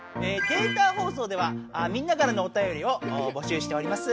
データ放送ではみんなからのおたよりを募集しております。